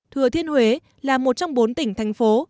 thừa thiên huế là một trong bốn tỉnh thành phố